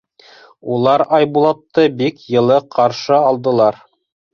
Улар Айбулатты бик йылы ҡаршы алдылар.